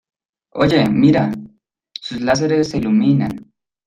¡ Oye, mira! Sus láseres se iluminan.